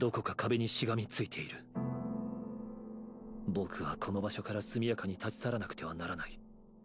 僕はこの場所からすみやかに立ち去らなくてはならない。